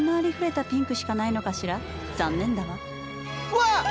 わっ！